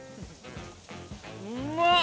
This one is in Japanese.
うまっ！